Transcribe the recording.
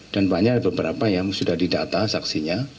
dan banyak beberapa yang sudah didata saksinya